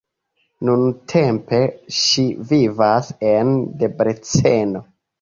Nuntempe ŝi vivas en Debreceno.